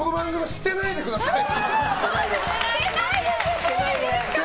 捨てないでくださいね。